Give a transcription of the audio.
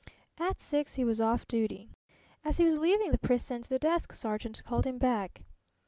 At six he was off duty. As he was leaving the precinct the desk sergeant called him back.